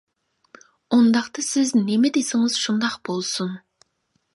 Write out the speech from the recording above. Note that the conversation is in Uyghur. ئۇنداقتا سىز نېمە دېسىڭىز شۇنداق بولسۇن.